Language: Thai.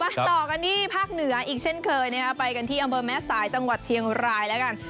ต่อกันที่ภาคเหนืออีกเช่นเคยนะครับไปกันที่อำเภอแม่สายจังหวัดเชียงรายแล้วกัน